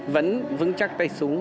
vẫn vững chắc tay súng